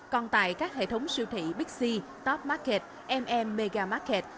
còn tại các hệ thống siêu thị bixi top market mm mega market